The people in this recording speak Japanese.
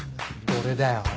俺だよ俺。